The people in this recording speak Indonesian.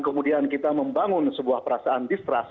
kemudian kita membangun sebuah perasaan distrust